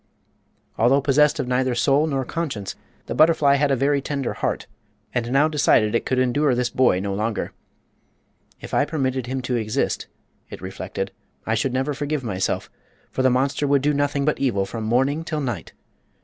Although possessed of neither soul nor conscience, the butterfly had a very tender heart, and now decided it could endure this boy no longer. "If I permitted him to exist," it reflected, "I should never forgive myself, for the monster would do nothing but evil from morning 'til night."